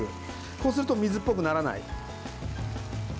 こうすると水っぽくならない。